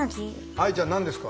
愛ちゃん何ですか？